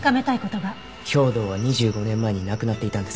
兵働は２５年前に亡くなっていたんです。